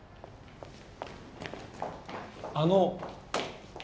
あの。